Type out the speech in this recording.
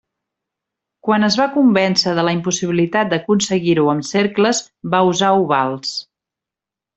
Quan es va convèncer de la impossibilitat d'aconseguir-ho amb cercles, va usar ovals.